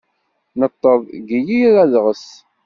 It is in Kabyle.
Neṭṭeḍ deg yif adɣes.